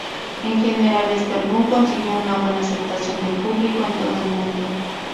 En general, este álbum consiguió una buena aceptación del público en todo el mundo.